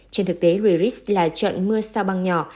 trên thực tế liris là trận mưa sao bằng nhỏ